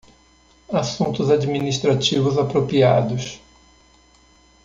Assuntos administrativos apropriados